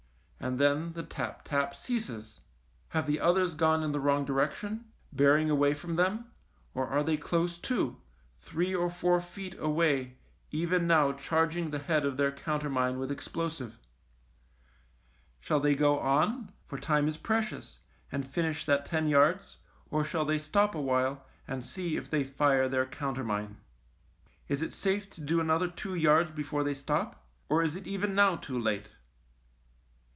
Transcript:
And then the tap tap ceases. Have the others gone in the wrong direction, bearing away from them, or are they close to, three or four feet away even now charging the head of their countermine with explosive ? Shall they go on, for time is precious, and finish that ten yards, or shall they stop awhile and see if they fire their countermine ? Is it safe to do another two yards before they stop, or is it even now too late